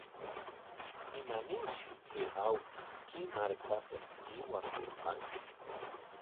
¿Imanarshi chay awkish kay markapik aywakurqan?